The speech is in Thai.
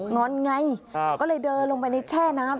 อนไงก็เลยเดินลงไปในแช่น้ำ